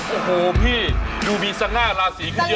โอ้โฮพี่ดูมีสังง่าลาสีขึ้นเยอะ